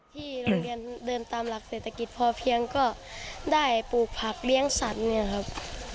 ที่โรงเรียนเดินตามหลักเศรษฐกิจพอเพียงก็ได้ปลูกผักเลี้ยงสัตว์เนี่ยครับ